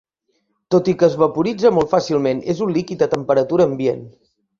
Tot i que es vaporitza molt fàcilment, és un líquid a temperatura ambient.